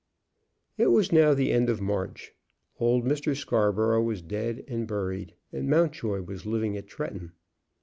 It was now the end of March. Old Mr. Scarborough was dead and buried, and Mountjoy was living at Tretton.